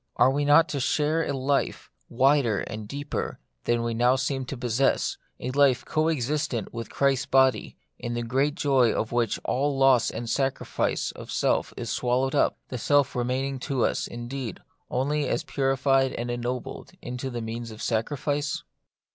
Are we not to share a life The Mystery of Pain. 57 wider and deeper than we now seem to pos sess ; a life co extensive with Christ's body, in the great joy of which all loss and sacrifice of self is swallowed up ; the self remaining to us, indeed, only as purified and ennobled into the means of sacrifice